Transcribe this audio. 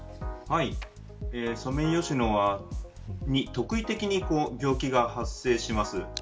ソメイヨシノに特異的に病気が発生します。